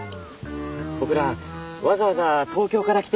僕らわざわざ東京から来てるんです。